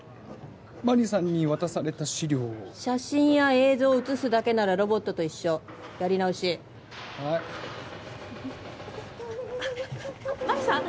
・マリさんに渡された資料を写真や映像を写すだけならロボットと一緒やり直し・はいマリさん